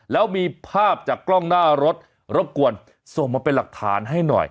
แล้วมีภาพจากกล้องหน้ารถรบกวนส่งมาเป็นหลักฐานให้หน่อย